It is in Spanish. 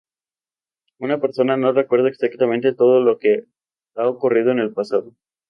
Una persona no recuerda exactamente todo lo que le ha ocurrido en el pasado.